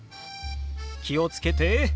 気を付けて。